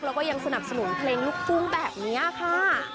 แล้วก็ยังสนับสนุนเพลงลูกทุ่งแบบนี้ค่ะ